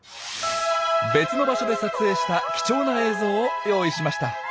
別の場所で撮影した貴重な映像を用意しました。